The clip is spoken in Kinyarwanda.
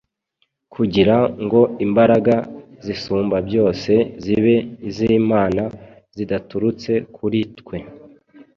kugira ngo imbaraga zisumbabyose zibe iz’Imana zidaturutse kuri twe.